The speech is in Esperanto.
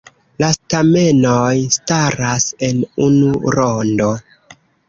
La stamenoj staras en unu rondo.